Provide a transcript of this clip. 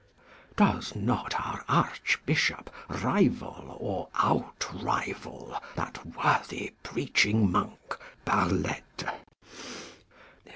Does not our Archbishop rival or outrival that worthy preaching monk, Barlette?